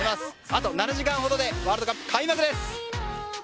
あと７時間ほどでワールドカップ開幕です。